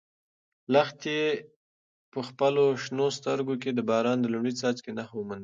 لښتې په خپلو شنه سترګو کې د باران د لومړي څاڅکي نښان وموند.